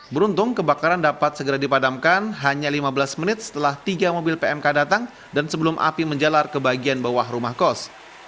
beruntung kebakaran dapat segera dipadamkan hanya lima belas menit setelah tiga mobil pmk datang dan sebelum api menjalar ke bagian bawah rumah kos